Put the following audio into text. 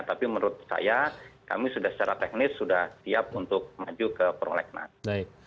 tapi menurut saya kami sudah secara teknis sudah siap untuk maju ke prolegnas